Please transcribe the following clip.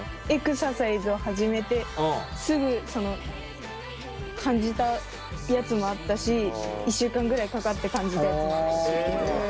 エクササイズを始めてすぐ感じたやつもあったし１週間ぐらいかかって感じたやつも。